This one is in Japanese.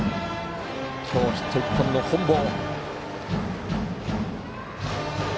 今日ヒット１本の本坊。